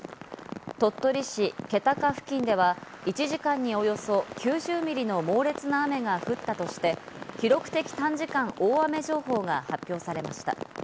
鳥取市気高付近では１時間におよそ９０ミリの猛烈な雨が降ったとして記録的短時間大雨情報が発表されました。